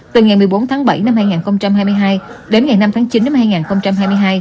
từ ngày một mươi bốn tháng bảy năm hai nghìn hai mươi hai đến ngày năm tháng chín năm hai nghìn hai mươi hai